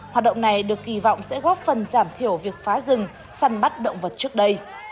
hoạt động này được kỳ vọng sẽ góp phần giảm thiểu việc phá rừng săn bắt động vật trước đây